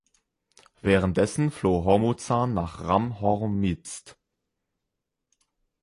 Währenddessen floh Hormuzan nach Ram-Hormizd.